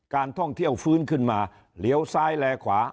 การท่องเที่ยวฟื้นขึ้นมาเหลียวซ้ายแลขวา